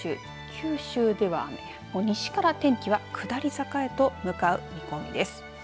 九州では雨、西から天気は下り坂へと向かう見込みです。